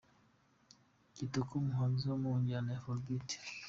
Kitoko, umuhanzi wo mu njyana ya Afrobeat.